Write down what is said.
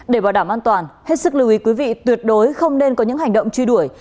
để bảo đảm an toàn hết sức lưu ý quý vị tuyệt đối không nên có những hành động truy đuổi